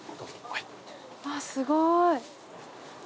わっすごい。